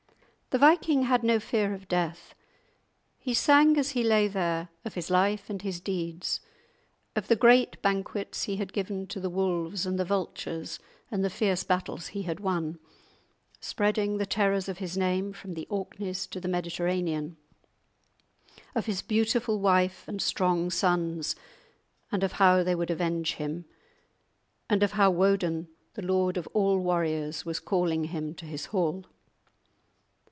The viking had no fear of death. He sang as he lay there, of his life and his deeds—of the great banquets he had given to the wolves and the vultures and the fierce battles he had won, spreading the terrors of his name from the Orkneys to the Mediterranean; of his beautiful wife and strong sons, and of how they would avenge him; and of how Woden, the lord of all warriors, was calling him to his Hall.